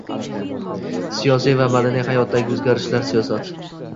Siyosiy va madaniy hayotdagi o‘zgarishlar siyosati